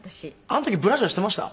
「あの時ブラジャーしてました？」